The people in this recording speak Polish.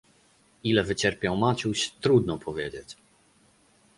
"Ile wycierpiał Maciuś, trudno powiedzieć."